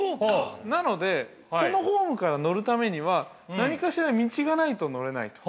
なので、このホームから乗るためには何かしら道がないと乗れないと。